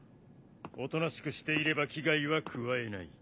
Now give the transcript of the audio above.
おとなしくしていれば危害は加えない。